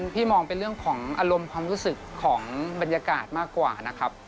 พี่มองเป็นเรื่องของอารมณ์ความรู้สึกของบรรยากาศมากกว่านะครับ